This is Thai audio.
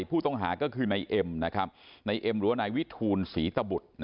พูดต้องหาก็คือนายเอ็มนะครับนายเอ็มหรือว่าในวิทูลสีตะบุทนะฮะ